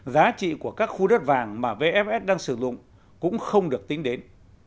giá trị của các khu đất vàng mà vfs đang sử dụng cũng không được tính đến